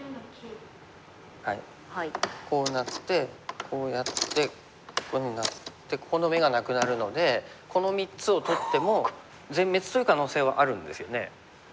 こうなってこうやってこういうふうになってここの眼がなくなるのでこの３つを取っても全滅という可能性はあるんですよね。